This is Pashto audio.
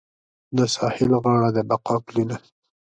د ساحل غاړه د بقا پلونه